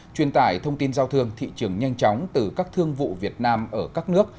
truyền tải thông tin giao thương thị trường nhanh chóng từ các thương vụ việt nam ở các nước